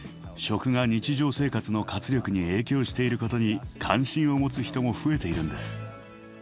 食が日常生活の活力に影響していることに関心を持つ人も増えているんです。